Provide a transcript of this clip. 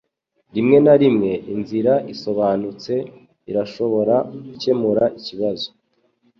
Rimwe na rimwe inzira isobanutse irashobora gukemura ikibazo